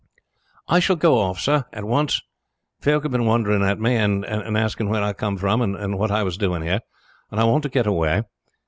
"I shall go off, sir, at once. Folk have been wondering at me, and asking where I came from and what I was doing here, and I want to get away.